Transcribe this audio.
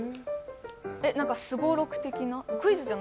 すごろく的な？